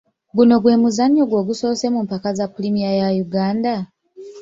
Guno gwe muzannyo gwo ogusoose mu mpaka za pulimiya ya Uganda?